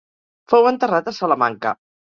Fou enterrat a Salamanca.